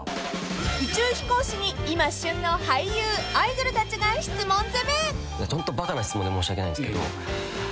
［宇宙飛行士に今旬の俳優アイドルたちが質問攻め！］